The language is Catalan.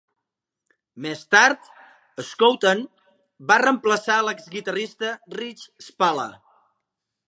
Més tard, Scouten va reemplaçar a l'exguitarrista Rich Spalla.